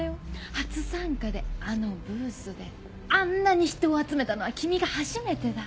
初参加であのブースであんなに人を集めたのは君が初めてだ！